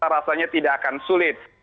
rasanya tidak akan sulit